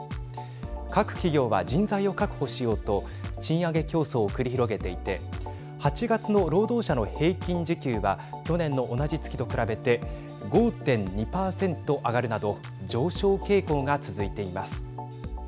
各企業は人材を確保しようと賃上げ競争を繰り広げていて８月の労働者の平均時給は去年の同じ月と比べて５．２％上がるなど上昇傾向が続いています。